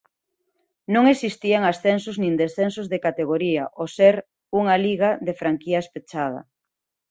Non existían ascensos nin descensos de categoría ao ser unha liga de franquías pechada.